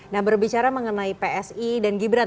nah berbicara mengenai psi dan gibran